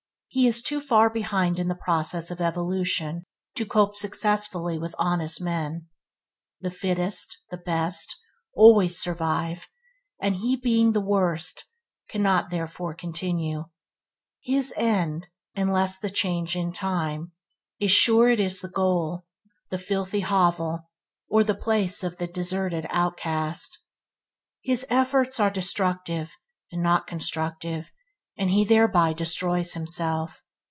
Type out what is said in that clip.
He is too far behind in the process of evolution to cope successfully with honest man. The fittest, the best, always survive, and he being the worst, cannot therefore continue. His end, unless the change in time, is sure it is the goal, the filthy hovel, or the place of the deserted outcast. His efforts are destructive, and not constructive, and he thereby destroys himself.